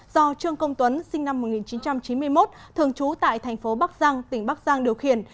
do trương công tuấn sinh năm một nghìn chín trăm chín mươi một thường trú tại thành phố bắc giang tỉnh bắc giang điều khiển